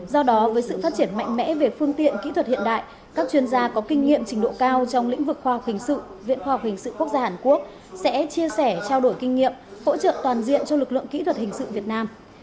do đó với sự phát triển mạnh mẽ về phương tiện kỹ thuật hiện đại các chuyên gia có kinh nghiệm trình độ cao trong lĩnh vực khoa học hình sự viện khoa học hình sự quốc gia hàn quốc sẽ chia sẻ trao đổi kinh nghiệm hỗ trợ toàn diện cho lực lượng kỹ thuật hình sự việt nam